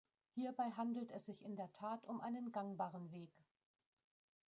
Hierbei handelt es sich in der Tat um einen gangbaren Weg.